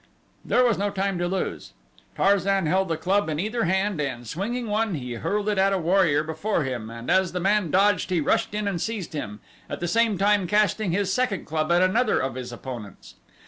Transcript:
There was no time to lose. Tarzan held a club in either hand and, swinging one he hurled it at a warrior before him and as the man dodged he rushed in and seized him, at the same time casting his second club at another of his opponents.